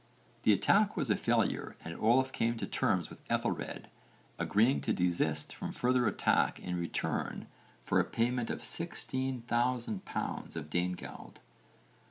The attack was a failure and Olaf came to terms with Ethelred agreeing to desist from further attack in return for a payment of sixteen thousand pounds of Danegeld.